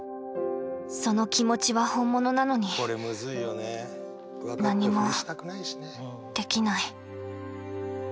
その気持ちは本物なのに何もできない。